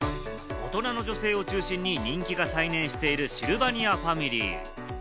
大人の女性を中心に人気が再燃しているシルバニアファミリー。